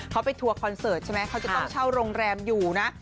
เขาไปทัวร์คอนเสิร์ตใช่ไหมเขาจะต้องเช่าโรงแรมอยู่นะ